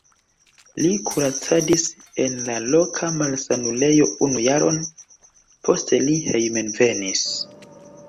Li kuracadis en la loka malsanulejo unu jaron, poste li hejmenvenis.